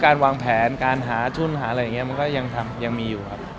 การวางแผนการหาทุนหาอะไรอย่างเงี้ย